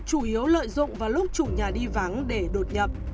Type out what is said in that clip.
trộm cắp tài sản hoặc lợi dụng vào lúc chủ nhà đi vắng để đột nhập